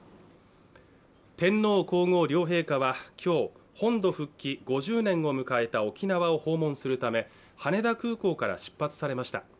天皇皇后両陛下はきょう本土復帰５０年を迎えた沖縄を訪問するため羽田空港から出発されました